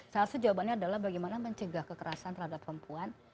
salah satu jawabannya adalah bagaimana mencegah kekerasan terhadap perempuan